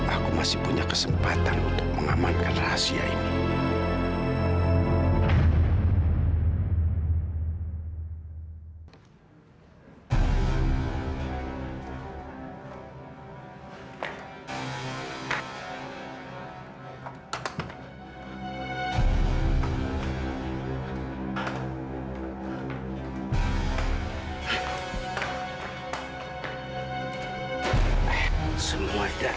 aku masih punya kesempatan untuk mengamankan rahasia ini